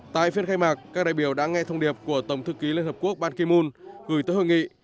tại phiên khai mạc các đại biểu đã nghe thông điệp của tổng thư ký liên hợp quốc ban kim mun gửi tới hội nghị